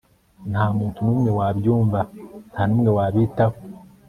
ntamuntu numwe wabyumva, ntanumwe wabitaho